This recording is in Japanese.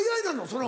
その。